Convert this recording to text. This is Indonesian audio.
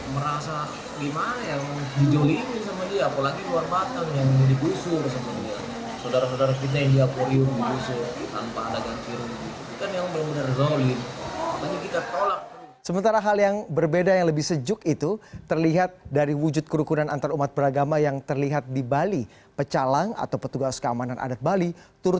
mereka menolak karena ahok dinilai sebagai gubernur yang arogan dan suka menggusur